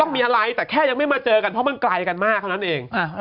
มีอะไรแต่แค่ยังไม่มาเจอกันเพราะมันไกลกันมากเท่านั้นเอง